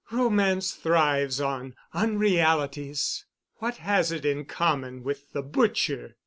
"Romance thrives on unrealities. What has it in common with the butcher?